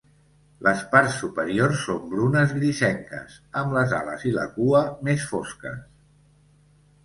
Les parts superiors són brunes grisenques, amb les ales i la cua més fosques.